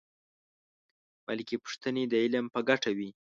بلکې پوښتنې د علم په ګټه وي.